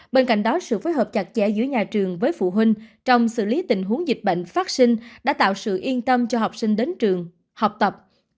bên cạnh đó sự phối hợp chặt chẽ giữa nhà trường với phụ huynh trong xử lý tình huống dịch bệnh phát sinh đã tạo sự yên tâm cho học sinh đến trường học tập